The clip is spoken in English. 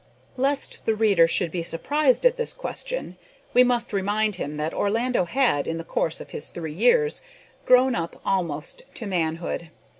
Lest the reader should be surprised at this question, we must remind him that Orlando had, in the course of these three years, grown up almost to manhood.